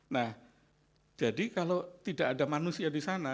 nah jadi kalau tidak ada manusia di sana